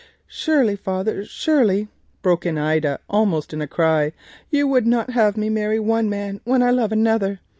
"Surely, father, surely," broke in Ida, almost in a cry, "you would not have me marry one man when I love another.